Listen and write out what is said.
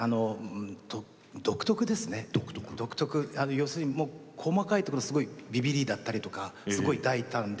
要するにもう細かいところすごいびびりだったりとかすごい大胆で。